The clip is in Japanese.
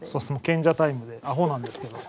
賢者タイムであほなんですけど。